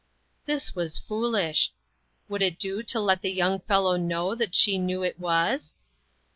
This was foolish. Would it do to let the young fellow know that she knew it was